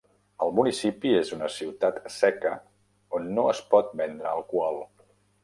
El municipi és una ciutat "seca" on no es pot vendre alcohol.